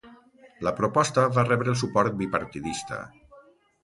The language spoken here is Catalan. La proposta va rebre el suport bipartidista.